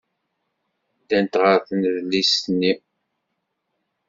Ddant ɣer tnedlist-nni.